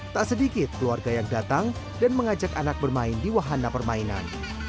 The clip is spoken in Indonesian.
tak sedikit keluarga yang datang dan mengajak anak bermain di wahana permainan